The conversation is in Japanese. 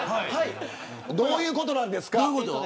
どういうことですか。